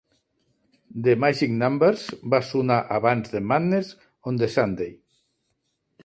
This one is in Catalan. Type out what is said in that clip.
The Magic Numbers va sonar abans de Madness on the Sunday.